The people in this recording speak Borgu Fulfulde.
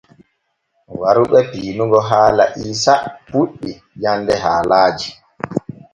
Waru ɓe piinugo haala Iisa puɗɗi jande haalaaji.